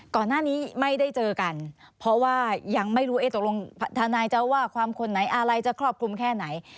ก่อนหน้านี้ไม่ได้เจอกันเพราะว่ายังไม่รู้ตกลงทนายจะว่าความคนไหนอะไรจะครอบคลุมแค่ไหน